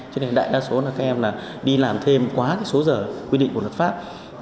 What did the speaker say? cho nên đại đa số là các em đi làm thêm quá số giờ quy định của luật pháp